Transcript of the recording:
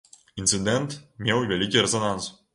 Інцыдэнт меў вялікі рэзананс.